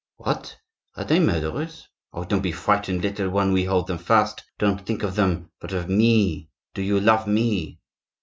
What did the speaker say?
"What! are they murderers?" "Oh, don't be frightened, little one; we hold them fast. Don't think of them, but of me. Do you love me?"